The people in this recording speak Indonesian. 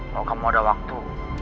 kalau kamu ada waktu